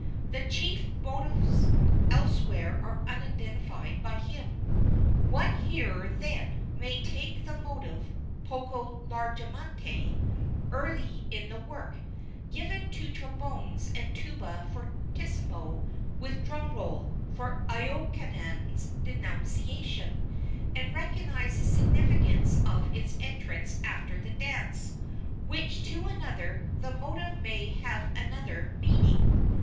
The chief motives elsewhere are unidentified by him. One hearer, then, may take the motive, poco largamente, early in the work, given to trombones and tuba fortissimo with drum roll, for Iokanaan's denunciation, and recognize the significance of its entrance after the dance, while to another the motive may have another meaning.